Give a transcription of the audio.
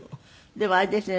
でもあれですよね。